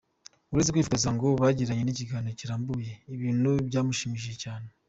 Uretse kwifotoza ngo bagiranye n’ikiganiro kirambuye, ibintu byamushimishije cyane.